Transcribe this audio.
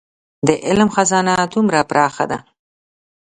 د علم خزانه دومره پراخه ده.